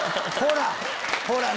ほら！